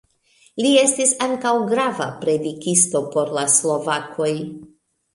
Li estis ankaŭ grava predikisto por la slovakoj.